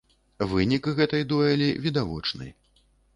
Вынік гэтай дуэлі відавочны.